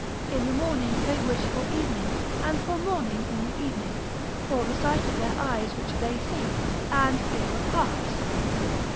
In the morning they wish for evening, and for morning in the evening, for the sight of their eyes which they see, and fear of hearts.